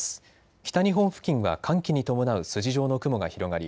北日本付近は寒気に伴う筋状の雲が広がり